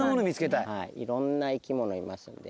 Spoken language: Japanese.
はいいろんな生き物いますんで。